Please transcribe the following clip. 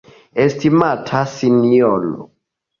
Estimata Sinjoro!